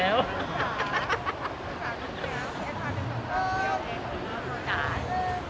เอาเรื่องต่อไป